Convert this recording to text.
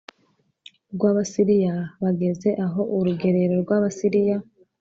rw Abasiriya Bageze aho urugerero rw Abasiriya